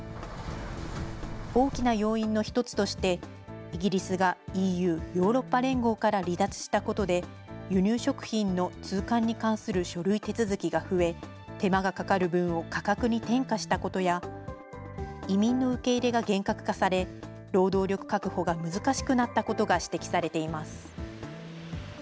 大きな要因の１つとして、イギリスがＥＵ・ヨーロッパ連合から離脱したことで、輸入食品の通関に関する書類手続きが増え、手間がかかる分を価格に転嫁したことや、移民の受け入れが厳格化され、労働力確保が難しくなったことが指摘されています。